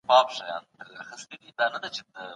دهقانانو غوښتنه وکړه چي کرنيز تخمونه دي ورته ووېشل سي.